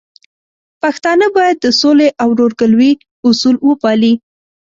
پښتانه بايد د سولې او ورورګلوي اصول وپالي.